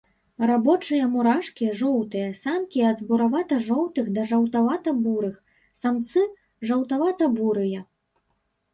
Рабочыя мурашкі, жоўтыя, самкі ад буравата-жоўтых да жаўтавата-бурых, самцы жаўтавата-бурыя.